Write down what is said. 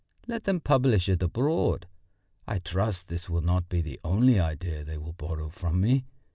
Let them publish it abroad. I trust this will not be the only idea they will borrow from me.